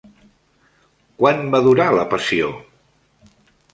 Quant va durar la passió?